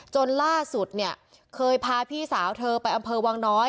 จนล่าสุดเนี่ยเคยพาพี่สาวเธอไปอำเภอวังน้อย